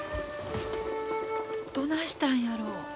どないしたんやろ。